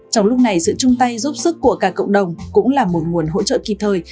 trong lúc này sự chung tay giúp sức của cả cộng đồng cũng là một nguồn hỗ trợ kịp thời